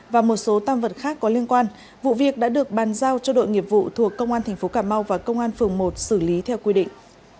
và một số tam vật khác có liên quan vụ việc đã được bàn giao cho đội nghiệp vụ thuộc công an tp cà mau và công an phường một xử lý theo quy định